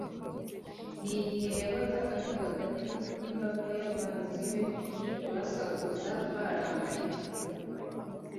n'igihe yabaga ari hagati y'imbaga y'abanzi be basakuza barakaye.